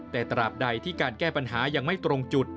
แต่ตราบใดที่การแก้ปัญหายังไม่ตรงจุด